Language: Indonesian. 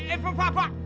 eh pak pak pak